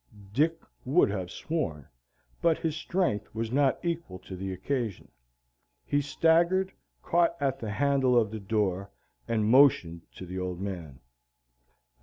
Dick would have sworn, but his strength was not equal to the occasion. He staggered, caught at the handle of the door, and motioned to the Old Man.